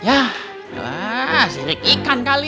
ya wah sirik ikan kali